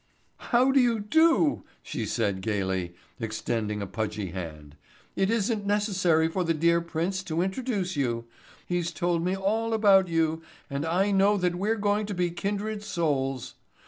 "How do you do," she said gayly, extending a pudgy hand. "It isn't necessary for the dear prince to introduce you. He's told me all about you and I know that we're going to be kindred souls.